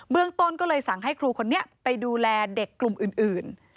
เรื่องต้นก็เลยสั่งให้ครูคนนี้ไปดูแลเด็กกลุ่มอื่น